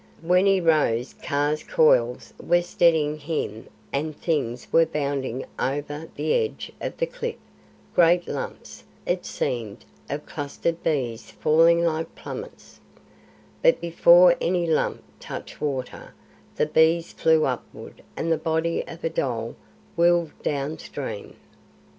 When he rose Kaa's coils were steadying him and things were bounding over the edge of the cliff great lumps, it seemed, of clustered bees falling like plummets; but before any lump touched water the bees flew upward and the body of a dhole whirled down stream.